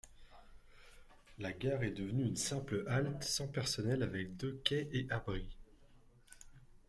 La gare est devenue une simple halte sans personnel avec deux quais et abris.